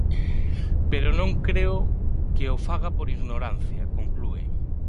"Pero non creo que o faga por ignorancia", conclúe.